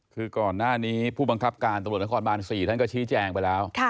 คือก่อนหน้านี้ผู้บังคับการตำรวจนครบาน๔ท่านก็ชี้แจงไปแล้ว